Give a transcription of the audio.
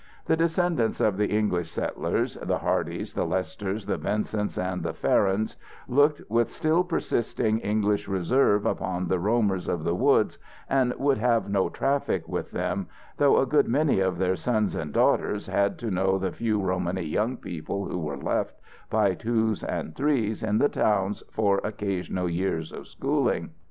The descendants of the English settlers, the Hardys, the Lesters, the Vincents, and the Farrands, looked with still persisting English reserve upon the roamers of the woods and would have no traffic with them, though a good many of their sons and daughters had to know the few Romany young people who were left, by twos and threes in the towns for occasional years of schooling.